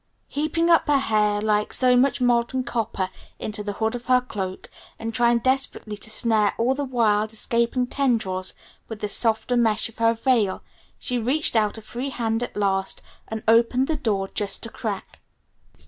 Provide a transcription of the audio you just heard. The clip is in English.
Heaping up her hair like so much molten copper into the hood of her cloak, and trying desperately to snare all the wild, escaping tendrils with the softer mesh of her veil, she reached out a free hand at last and opened the door just a crack.